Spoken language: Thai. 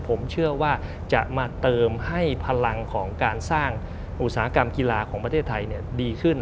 ผมเชื่อว่าจะมาเติมให้พลังของการสร้างอุตสาหกรรมกีฬาของประเทศไทยดีขึ้น